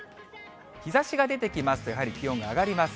日ざしが出てきますとやはり気温が上がります。